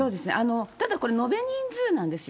ただこれ、延べ人数なんですよ。